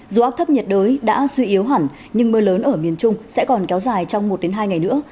dù áp thấp nhiệt đới đã suy yếu hẳn nhưng mưa lớn ở miền trung sẽ còn kéo dài trong một hai ngày nữa